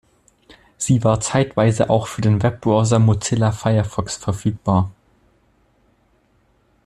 Sie war zeitweise auch für den Webbrowser Mozilla Firefox verfügbar.